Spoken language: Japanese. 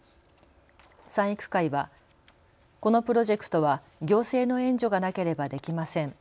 賛育会はこのプロジェクトは行政の援助がなければできません。